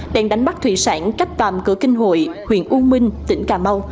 đang đánh bắt thủy sản cách tàm cửa kinh hội huyện u minh tỉnh cà mau